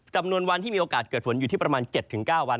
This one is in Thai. วันที่มีโอกาสเกิดฝนอยู่ที่ประมาณ๗๙วัน